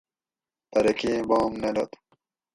پرہ کئ بام نہ لود